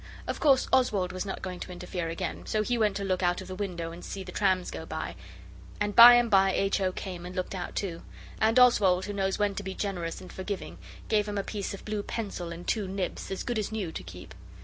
Of course Oswald was not going to interfere again, so he went to look out of the window and see the trams go by, and by and by H. O. came and looked out too, and Oswald, who knows when to be generous and forgiving, gave him a piece of blue pencil and two nibs, as good as new, to keep.